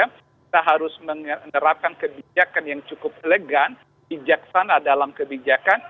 kita harus menerapkan kebijakan yang cukup elegan bijaksana dalam kebijakan